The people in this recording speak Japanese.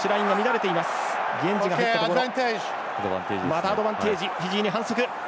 またアドバンテージフィジーに反則。